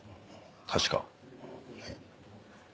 確か。